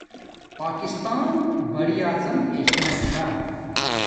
پاکستان براٰعظم ایشایانا چھا